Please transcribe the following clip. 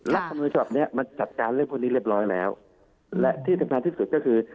แล้วคุณผู้ชอบเนี้ยมันจัดการเรียบร้อยแล้วและที่สำคัญที่สุดก็คือ